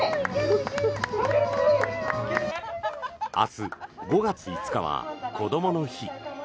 明日、５月５日はこどもの日。